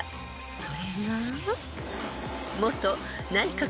［それが］